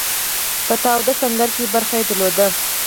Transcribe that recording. په تاوده سنګر کې برخه درلوده.